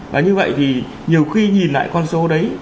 và như vậy thì nhiều khi nhìn lại con số đấy